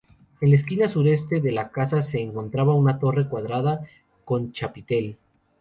En la esquina sureste de la casa de encontraba una torre cuadrada con chapitel.